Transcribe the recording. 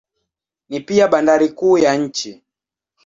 Ni pia bandari kuu ya nchi.